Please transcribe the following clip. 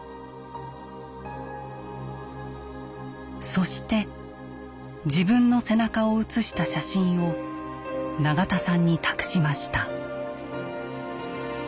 そして自分の背中を写した写真を永田さんに託しました。